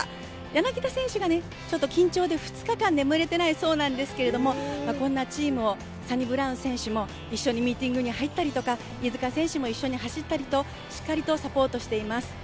柳田選手が緊張で２日間眠れてないそうなんですけどもこんなチームをサニブラウン選手も一緒にミーティングに入ったりとか飯塚選手も一緒に走ったりと、しっかりとサポートしています。